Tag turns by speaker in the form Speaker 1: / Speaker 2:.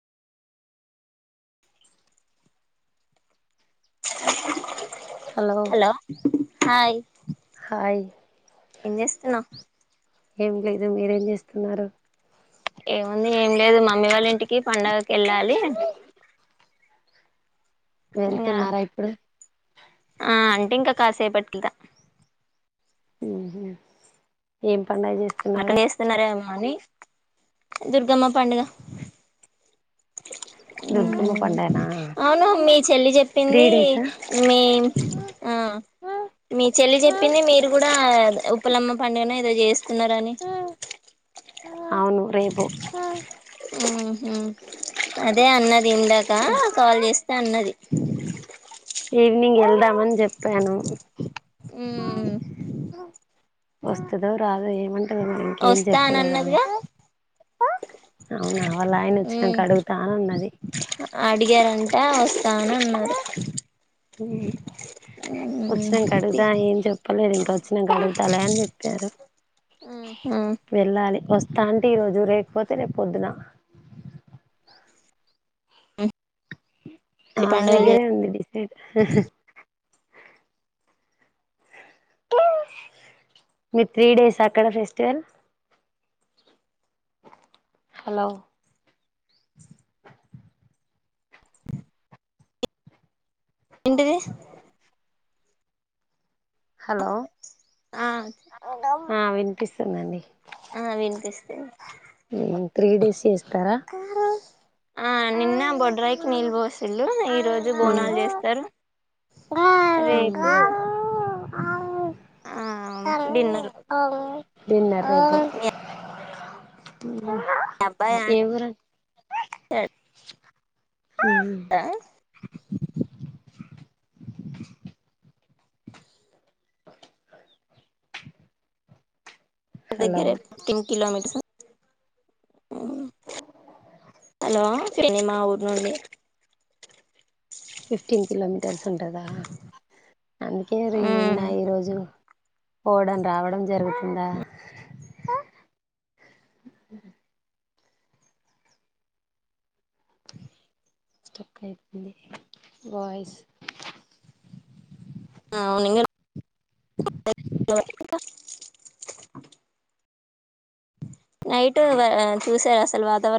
Speaker 1: hello hi
Speaker 2: hi
Speaker 1: ఏం చేస్తున్నావ్
Speaker 2: ఏం లేదు మీరేం చేస్తున్నారు
Speaker 1: ఏముంది ఏం లేదు మమ్మీ వాళ్ళ ఇంటికి పండుగకి వెళ్ళాలి ఇంగా
Speaker 2: వెళ్తున్నారా ఇప్పుడు
Speaker 1: ఆ అంటే ఇంకా కాసేపటికిద
Speaker 2: ఉహు ఏం పండగ చేస్తున్నారు
Speaker 1: మక్కా చేస్తున్నారేమో అని దుర్గమ్మ పండుగ
Speaker 2: దుర్గమ్మ
Speaker 1: మ్మ్
Speaker 2: పండుగాన
Speaker 1: అవును మీ చెల్లి చేప్పింది మీ ఆ మీ చెల్లి చెప్పింది మీరు కూడా ఉప్పలమ్మ పండుగనో ఏదో చేస్త స్తూన్నారని
Speaker 2: అవును రేపు ఆ
Speaker 1: ఉహు అదే అన్నది ఇందాక కాల్ చేస్తే అన్నది
Speaker 2: ఈవినింగ్ వెళ్దామని చెప్పాను
Speaker 1: మ్మ్
Speaker 2: వస్తాదో రాదో ఏమంటదో మరి ఇంకేం
Speaker 1: వస్తా అని
Speaker 2: చెప్పలేదు ఆమె
Speaker 1: అన్నదిగా
Speaker 2: అవునా వాళ్ళ ఆయన
Speaker 1: మ్మ్
Speaker 2: ఒచ్చినాక అడుగుతా అన్నది
Speaker 1: ఆ వస్తానని అన్నాడు
Speaker 2: ఉమ్ ఒచ్చినంక అడుగుదా ఏం చెప్పలేదు ఇంకా ఒచ్చినంక అడుగుతలే అని చెప్పారు
Speaker 1: ఉ
Speaker 2: వెళ్ళాలి వ తాంటే ఈ రోజు రేకపోతే రేప్ పొద్దున ఆమె
Speaker 1: పండుగలు చే
Speaker 2: దగ్గరేవుంది డిసైడ్ మిక్ త్రీ డేస్ ఆ అక్కడ ఫెస్టివల్ హలో
Speaker 1: ఏంటిది
Speaker 2: హలో
Speaker 1: ఆ
Speaker 2: ఆ వినిపిస్తుందండి
Speaker 1: ఆ వినిపిస్తుంది
Speaker 2: ఉమ్ త్రీ డేస్ చేస్తరా
Speaker 1: ఆ నిన్న బొడ్రాయికి నీళ్ బోసిల్లు ఈ రోజు బోనాలు చేస్తారు రేపు ఆ
Speaker 2: నిన్న
Speaker 1: యా
Speaker 2: ఏ ఊరు మ్మ్
Speaker 1: ఆ
Speaker 2: హలో
Speaker 1: దగ్గరే టెన్ కిలోమీటర్స్ అం హలో సిరిమా ఊరు నుండి
Speaker 2: ఫిఫ్టీన్ కిలోమీటర్స్ ఉంటంద అందుకే రి నిన్న ఈరోజు పోవడం రావడం జరుగుతుందా స్ట్రక్ అయితుంది వాయిస్
Speaker 1: ఆ అవును ఇంగా [inaudible] నైట్ ఆ చూశారా అసలు వాతావరణం